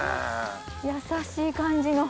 やさしい感じの。